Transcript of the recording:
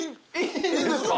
いいんですか？